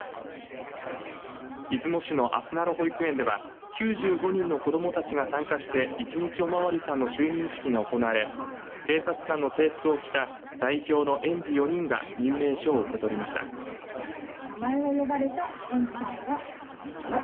出雲市の、あすなろ保育園では９５人の子どもたちが参加して一日おまわりさんの就任式が行われ警察官の制服を着た代表の園児４人が任命書を受け取りました。